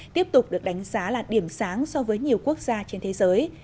tiếp tục được đánh giá là điểm sáng so với nhiều quốc gia trên thế giới